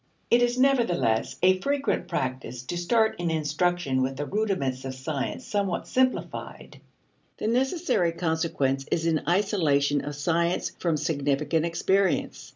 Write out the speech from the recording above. It is, nevertheless, a frequent practice to start in instruction with the rudiments of science somewhat simplified. The necessary consequence is an isolation of science from significant experience.